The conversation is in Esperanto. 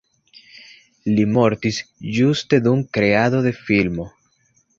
Li mortis ĝuste dum kreado de filmo.